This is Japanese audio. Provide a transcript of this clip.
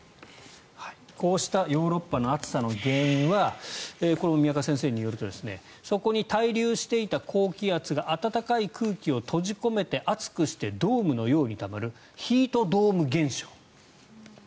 こうしたヨーロッパの暑さの原因はこれも宮川先生によるとそこに滞留していた高気圧が暖かい空気を閉じ込めて熱くしてドームのようにたまるヒートドーム現象。